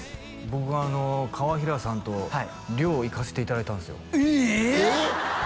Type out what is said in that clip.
僕があの川平さんと寮行かせていただいたんすよえーっ！？